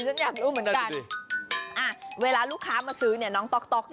ฉันอยากรู้เหมือนกันเวลาลูกค้ามาซื้อเนี่ยน้องต๊อกต๊อก